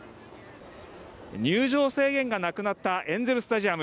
入場制限がなくなったエンゼル・スタジアム。